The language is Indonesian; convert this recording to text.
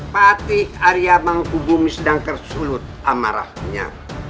patih arya menghubungi sedang tersulut amarahnya